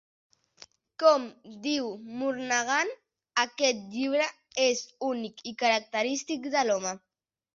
Com diu Murnaghan, aquest llibre és únic i característic de l'home.